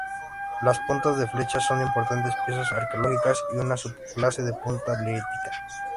Las puntas de flecha son importantes piezas arqueológicas y una subclase de punta lítica.